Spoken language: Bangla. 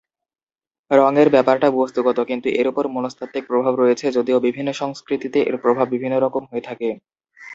রঙের ব্যাপারটা বস্তুগত কিন্তু এর উপর মনস্তাত্ত্বিক প্রভাব রয়েছে যদিও বিভিন্ন সংস্কৃতিতে এর প্রভাব বিভিন্ন রকম হয়ে থাকে।